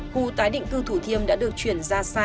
khu tái định cư thủ thiêm đã được chuyển ra xa